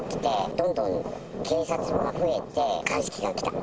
どんどん警察が増えて、鑑識が来た。